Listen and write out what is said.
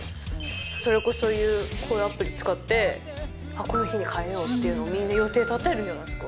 それこそこういうアプリ使ってこの日に替えようっていうのを予定立てるんじゃないですか？